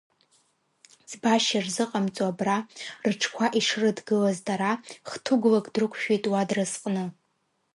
Ӡбашьа рзыҟамҵо абра, рыҽқәа ишрыдгылаз дара, хҭыгәлак дрықәшәеит уа дразҟны.